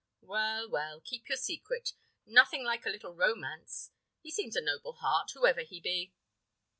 Well, well! Keep your secret; nothing like a little romance. He seems a noble heart, whoever he be."